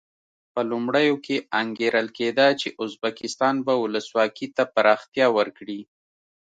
په لومړیو کې انګېرل کېده چې ازبکستان به ولسواکي ته پراختیا ورکړي.